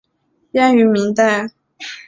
编于明代。